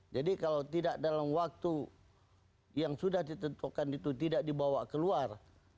jadi kalau tidak dalam waktu yang sudah ditentukan itu tidak dibawa keluar